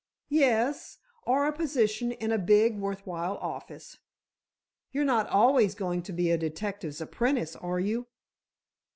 "Yes, or a position in a big, worth while office. You're not always going to be a detective's apprentice, are you?"